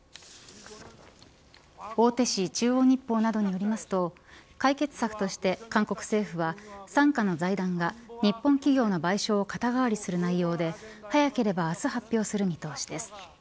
大手紙中央日報などによりますと解決策として韓国政府は傘下の財団が日本企業の賠償を肩代わりする内容で早ければ明日発表する見通しです。